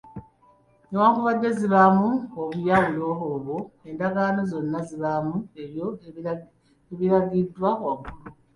Newankubadde zibaamu obuyawulo obwo, endagaano zonna zibaamu ebyo ebiragiddwa waggulu.